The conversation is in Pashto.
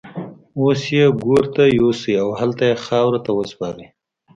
اوس يې ګور ته يوسئ او هلته يې خاورو ته وسپارئ.